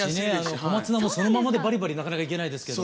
小松菜もそのままでバリバリなかなかいけないですけど。